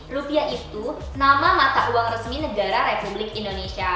rupiah itu nama mata uang resmi negara republik indonesia